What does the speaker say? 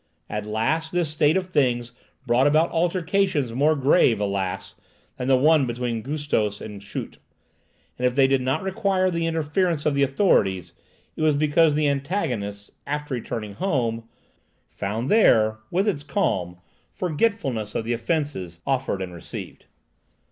At last this state of things brought about altercations more grave, alas! than that between Gustos and Schut, and if they did not require the interference of the authorities, it was because the antagonists, after returning home, found there, with its calm, forgetfulness of the offences offered and received.